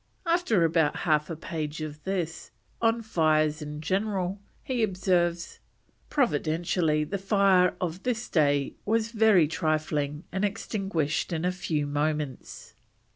After about half a page of this, on fires in general, he observes: "Providentially the fire of this day was very trifling and extinguished in a few moments."